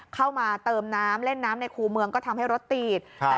เข้ามาเติมน้ำเล่นน้ำในคู่เมืองก็ทำให้รถติด